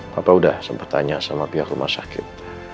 papa udah sempat tanya sama pihak rumah sakit